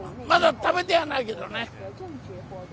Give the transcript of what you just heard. まだ食べてはないけどね。